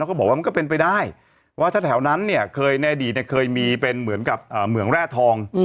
ก็บอกว่ามันก็เป็นไปได้ว่าถ้าแถวนั้นเนี่ยเคยในอดีตเคยมีเป็นเหมือนกับเหมืองแร่ทอง